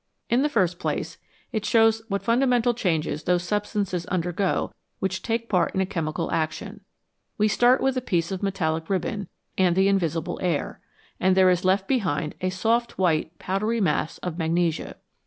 In the first place, it shows what fundamental changes those substances undergo which take part in a chemical action ; w r e start with a piece of metallic ribbon and the invisible air, and there is left behind a soft, white, powdery mass of magnesia.